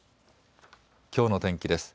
きょうの天気です。